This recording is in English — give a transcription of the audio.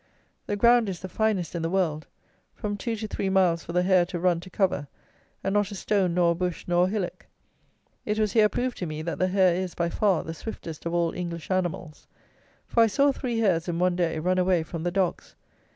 The ground is the finest in the world; from two to three miles for the hare to run to cover, and not a stone nor a bush nor a hillock. It was here proved to me, that the hare is, by far, the swiftest of all English animals; for I saw three hares, in one day, run away from the dogs.